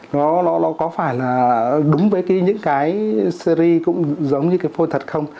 nó có phải là đúng với những cái series cũng giống như cái phôi thật không